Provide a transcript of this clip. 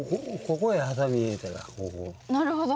なるほど。